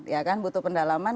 ya kan butuh pendalaman